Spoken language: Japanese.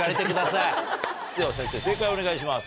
では先生正解をお願いします。